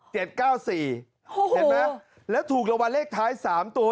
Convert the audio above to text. เห็นไหมแล้วถูกรางวัลเลขท้าย๓ตัว